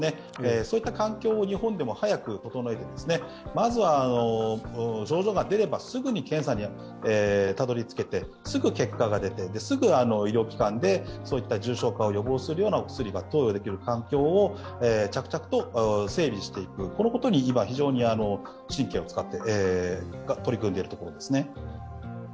そういった環境を日本でも早く整えて、まずは症状が出ればすぐに検査にたどり着けて、すぐ結果が出て、すぐ医療機関で重症化を予防するようなお薬を投与するような環境を着々と整備していくことに今、非常に神経を使って取り組んでいるところです。